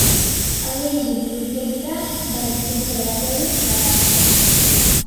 Ha dirigit l'orquestra del Conservatori de Tarragona.